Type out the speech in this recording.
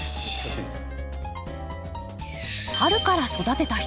春から育てた人